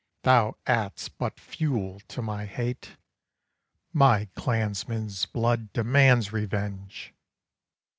Thou add'st but fuel to my hate: My clansman's blood demands revenge.